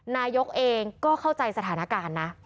นายกเองก็เข้าใจสถานการณ์นะ